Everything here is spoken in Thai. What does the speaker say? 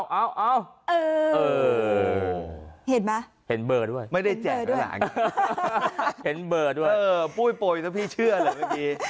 เอาเห็นมั้ยเห็นเบอร์ด้วยไม่ได้แจกเลยหรอพูดปล่อยแล้วพี่เชื่อเลยเมื่อกี้